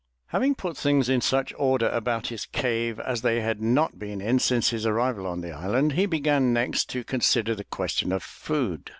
Having put things in such order about his cave as they had not been in since his arrival on the island, he began next to con sider the question of food.